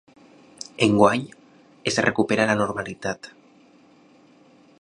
Enguany, es recupera la normalitat.